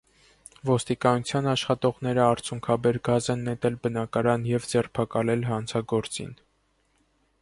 Ոստիկանության աշխատակիցները արցունքաբեր գազ են նետել բնակարան և ձերբակալել հանցագործին։